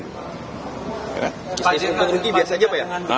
bisnis untung rugi biasa saja pak ya